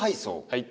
はい。